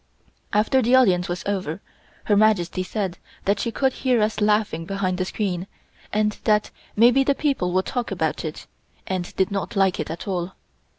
After the audience was over Her Majesty said that she could hear us laughing behind the screen, and that maybe the people would talk about it, and did not like it at all.